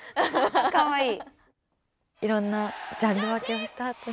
かわいい。